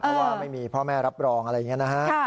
เพราะว่าไม่มีพ่อแม่รับรองอะไรอย่างนี้นะฮะ